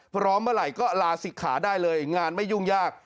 เมื่อไหร่ก็ลาศิกขาได้เลยงานไม่ยุ่งยาก